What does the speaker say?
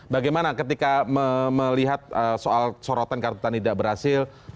bagaimana ketika melihat soal sorotan kartu tani tidak berhasil